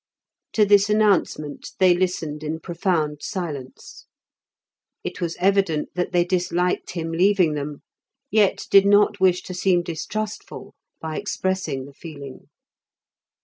To this announcement they listened in profound silence. It was evident that they disliked him leaving them, yet did not wish to seem distrustful by expressing the feeling.